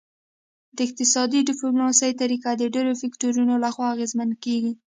د اقتصادي ډیپلوماسي طریقه د ډیرو فکتورونو لخوا اغیزمن کیږي